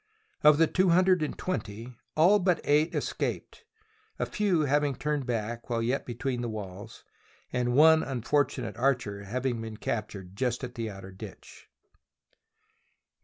Of the two hundred and twenty, all but eight escaped, a few having turned back while yet be tween the walls, and one unfortunate archer having been captured just at the outer ditch.